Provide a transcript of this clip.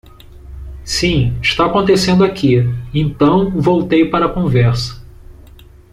Sim, está acontecendo aqui, então voltei para a conversa.